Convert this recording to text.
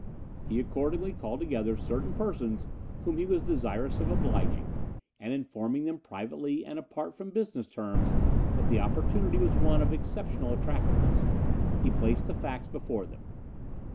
He accordingly called together certain persons whom he was desirous of obliging, and informing them privately and apart from business terms that the opportunity was one of exceptional attractiveness, he placed the facts before them.